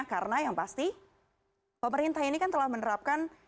karena yang pasti pemerintah ini kan telah menerapkan